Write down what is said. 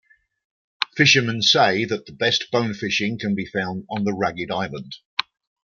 Fishermen say that the best bonefishing can be found on the Ragged Island.